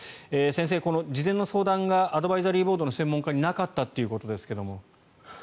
先生、事前の相談がアドバイザリーボードの専門家になかったということですけども。